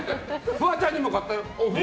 フワちゃんにも買ったよ。